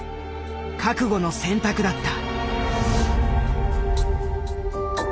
覚悟の選択だった。